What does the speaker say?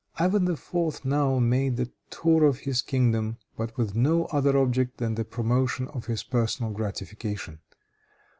Ivan IV. now made the tour of his kingdom, but with no other object than the promotion of his personal gratification.